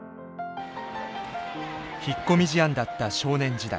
引っ込み思案だった少年時代。